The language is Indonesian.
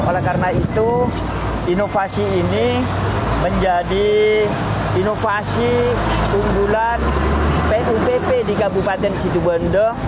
oleh karena itu inovasi ini menjadi inovasi unggulan pupp di kabupaten situbondo